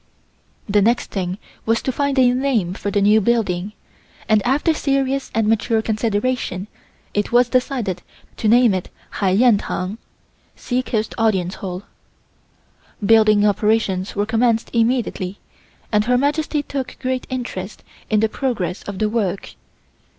The next thing was to find a name for the new building and after serious and mature consideration it was decided to name it Hai Yen Tang (Sea Coast Audience Hall). Building operations were commenced immediately and Her Majesty took great interest in the progress of the work.